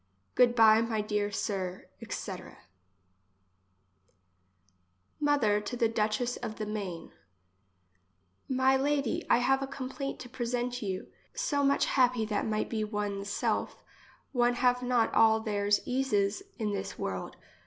Good bye, my dear sir, etc. English as she is spoke. 49 Mothe to the duchess 0^ the Maine. My lady, I have a complaint to present you. So much happy that might be one's self, one have not all theirs eases in this world.